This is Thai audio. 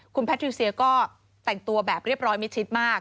คุณแพทิวเซียก็แต่งตัวแบบเรียบร้อยมิดชิดมาก